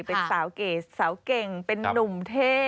เป็นสาวเกรดสาวเก่งเป็นนุ่มเท่